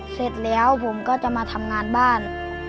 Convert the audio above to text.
เสร็จแล้วผมก็จะมาทำงานบ้าน